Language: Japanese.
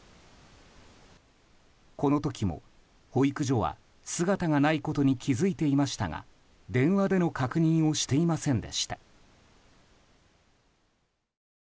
この時も、保育所は姿がないことに気づいていましたが電話での確認をしていませんでした。